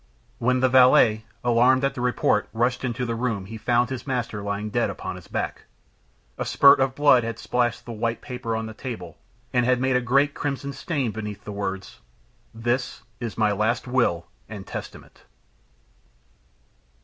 When the valet, alarmed at the report, rushed into the room he found his master lying dead upon his back. A spurt of blood had splashed the white paper on the table, and had made a great crimson stain beneath the words: "This is my last will and testament."